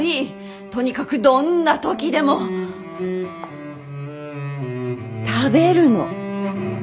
とにかくどんな時でも食べるの。